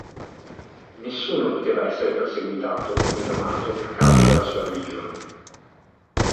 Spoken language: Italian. Nessuno poteva essere perseguitato o menomato a causa della sua religione.